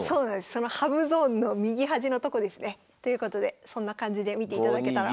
その羽生ゾーンの右端のとこですね。ということでそんな感じで見ていただけたら。